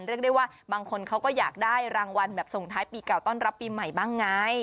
เรียกได้ว่าบางคนเขาก็อยากได้รางวัลแบบส่งท้ายปีเก่าต้อนรับปีใหม่บ้างไง